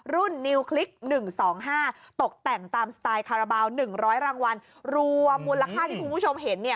นิวคลิก๑๒๕ตกแต่งตามสไตล์คาราบาล๑๐๐รางวัลรวมมูลค่าที่คุณผู้ชมเห็นเนี่ย